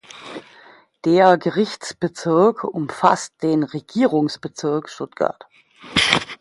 Der Gerichtsbezirk umfasst den Regierungsbezirk Stuttgart.